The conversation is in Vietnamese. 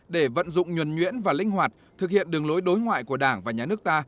để vận dụng nhuẩn nhuyễn và linh hoạt thực hiện đường lối đối ngoại của đảng và nhà nước ta